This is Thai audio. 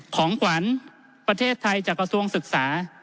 ของขวัญประเทศไทยจากกระทรวงศึกษา